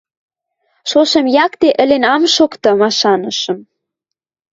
Шошым якте ӹлен ам шокты машанышым.